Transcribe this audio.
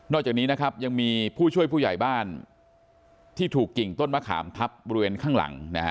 จากนี้นะครับยังมีผู้ช่วยผู้ใหญ่บ้านที่ถูกกิ่งต้นมะขามทับบริเวณข้างหลังนะฮะ